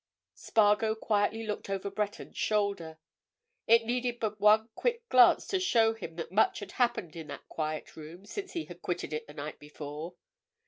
Spargo quietly looked over Breton's shoulder. It needed but one quick glance to show him that much had happened in that quiet room since he had quitted it the night before.